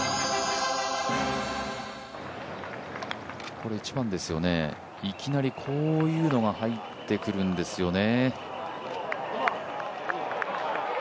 これ１番ですよね、いきなりこういうのが入ってくるんですよね。